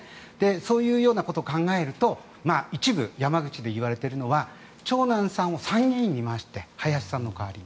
そういうようなことを考えると一部、山口で言われているのは長男さんを参議院に回して林さんの代わりに。